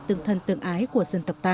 tương thân tương ái của dân tập tác